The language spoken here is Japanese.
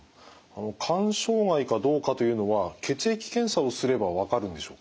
肝障害かどうかというのは血液検査をすれば分かるんでしょうか？